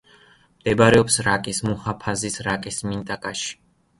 მდებარეობს რაკის მუჰაფაზის რაკის მინტაკაში.